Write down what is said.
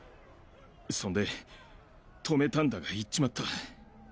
そんで止めたんだが行っちまった。